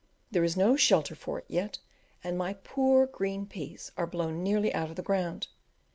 There is no shelter for it yet, and my poor green peas are blown nearly out of the ground.